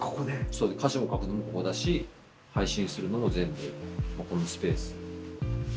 そう歌詞を書くのもここだし配信するのも全部ここのスペース。